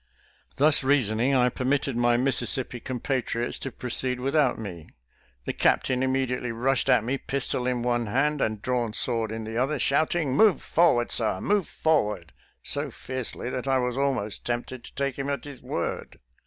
Thus rea soning, I permitted my Mississippi compatriots to proceed without me. The captain immediately rushed at me, pistol in one hand and drawn sword in the other, shouting, " Move forward, sir — move forward !" so fiercely that I was almost tempted to take him at his word.